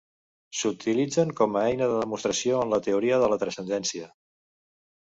S'utilitzen com a eina de demostració en la teoria de la transcendència.